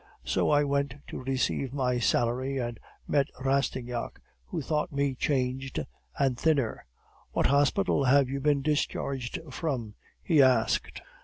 So I went to receive my salary, and met Rastignac, who thought me changed and thinner. "'What hospital have you been discharged from?' he asked.